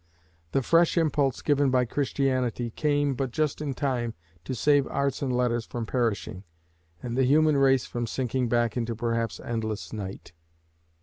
The fresh impulse given by Christianity came but just in time to save arts and letters from perishing, and the human race from sinking back into perhaps endless night.